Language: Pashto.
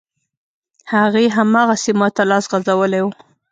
هغې، هماغسې ماته لاس غځولی و.